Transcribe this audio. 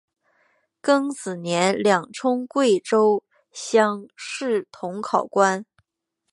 庚子年两充贵州乡试同考官。